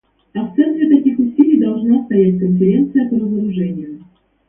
А в центре таких усилий должна стоять Конференция по разоружению.